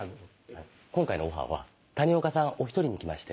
今回のオファーは谷岡さんお１人に来まして。